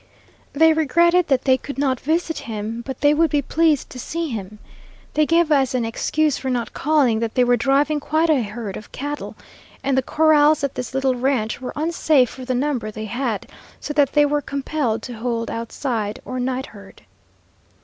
They regretted that they could not visit him, but they would be pleased to see him. They gave as an excuse for not calling that they were driving quite a herd of cattle, and the corrals at this little ranch were unsafe for the number they had, so that they were compelled to hold outside or night herd.